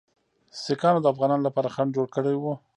سیکهانو د افغانانو لپاره خنډ جوړ کړی وو.